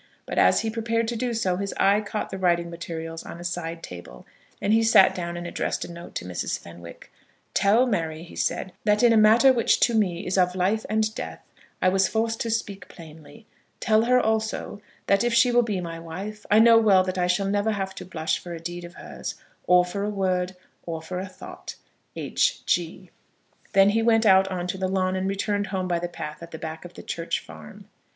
But as he prepared to do so, his eye caught the writing materials on a side table, and he sat down and addressed a note to Mrs. Fenwick. "Tell Mary," he said, "that in a matter which to me is of life and death, I was forced to speak plainly. Tell her, also, that if she will be my wife, I know well that I shall never have to blush for a deed of hers, or for a word, or for a thought. H. G." Then he went out on to the lawn, and returned home by the path at the back of the church farm.